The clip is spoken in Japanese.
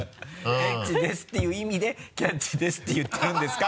「エッチです」っていう意味で「キャッチ！」ですって言ってるんですか？